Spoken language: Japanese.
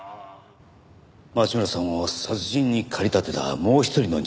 町村さんを殺人に駆り立てたもう一人の人物